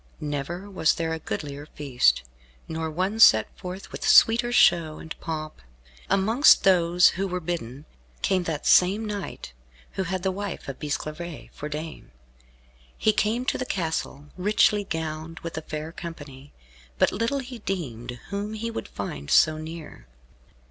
Never was there a goodlier feast, nor one set forth with sweeter show and pomp. Amongst those who were bidden, came that same knight who had the wife of Bisclavaret for dame. He came to the castle, richly gowned, with a fair company, but little he deemed whom he would find so near.